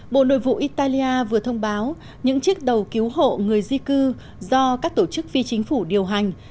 bộ nội vụ italia vừa thông báo những chiếc đầu cứu hộ người di cư do các tổ chức phi chính phủ điều hành